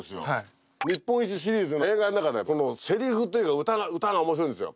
「日本一」シリーズの映画の中でせりふというか歌が面白いんですよ。